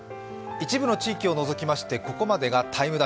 一部の地域を除きまして、ここまでが「ＴＩＭＥ’」。